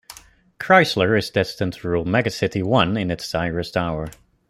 Krysler is destined to rule Mega-City One in its direst hour.